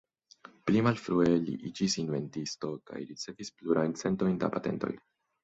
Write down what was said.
Pli malfrue, li iĝis inventisto kaj ricevis plurajn centojn da patentoj.